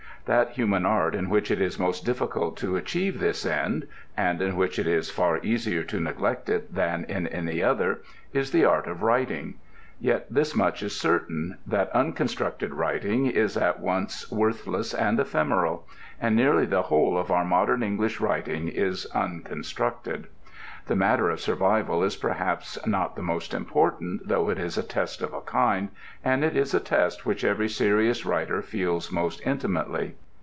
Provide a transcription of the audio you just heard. That human art in which it is most difficult to achieve this end (and in which it is far easier to neglect it than in any other) is the art of writing. Yet this much is certain, that unconstructed writing is at once worthless and ephemeral: and nearly the whole of our modern English writing is unconstructed. The matter of survival is perhaps not the most important, though it is a test of a kind, and it is a test which every serious writer feels most intimately.